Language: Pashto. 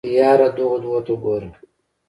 يره دغو دوو ته ګوره.